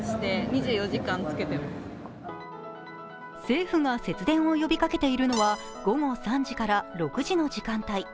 政府が節電を呼びかけているのは午後３時から６時の時間帯。